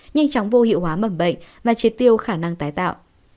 nhưng chẳng vô hiệu hóa mẩm bệnh và triệt tiêu khả năng tái tạo